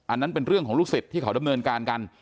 อันนั้นเป็นเรื่องของลูกศิษย์ที่เขาดำเนินการกัน